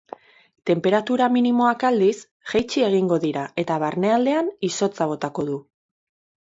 Tenperatura minimoak aldiz, jaitsi egingo dira eta barnealdean izotza botako du.